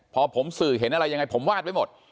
พอผมสื่อเห็นอะไรยังไงผมวาดไว้หมด